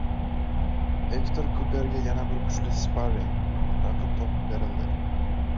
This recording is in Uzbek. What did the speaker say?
Ektor Kuperga yana bir kuchli sparring-raqib topib berildi